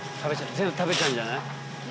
全部食べちゃうんじゃない？